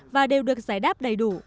và đều được giải đáp đầy đủ